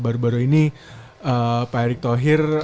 baru baru ini pak erick thohir